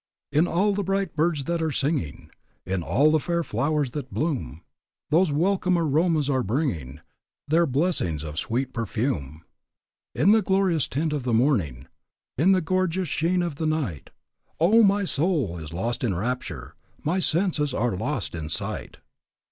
"In all the bright birds that are singing, In all the fair flowers that bloom, Whose welcome aromas are bringing Their blessings of sweet perfume; "In the glorious tint of the morning, In the gorgeous sheen of the night, Oh! my soul is lost in rapture, My senses are lost in sight."